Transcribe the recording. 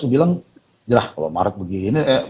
dia bilang hijrah kalau maret begini